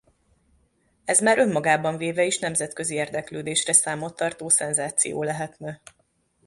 Ez már önmagában véve is nemzetközi érdeklődésre számot tartó szenzáció lehetne.